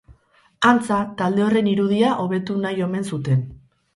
Antza, talde horren irudia hobetu nahi omen zuten.